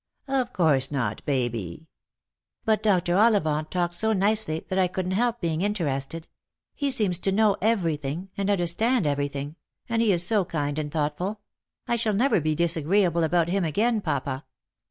" Of course not, Baby." " But Dr. Ollivant talked so nicely that I couldn't help being interested. He seems to know everything, and understand everything — and he is so kind and thoughtful. I shall never be disagreeable about him again, papa."